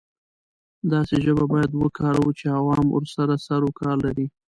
داسې ژبه باید وکاروو چې عوام ورسره سر او کار لري.